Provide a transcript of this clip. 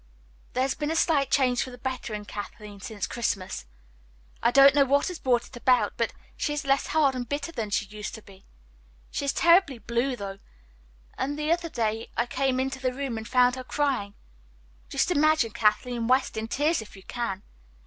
There has been a slight change for the better in Kathleen since Christmas. I don't know what has brought it about, but she is less hard and bitter than she used to be. She is terribly blue, though, and the other day I came into the room and found her crying. Just imagine Kathleen West in tears if you can.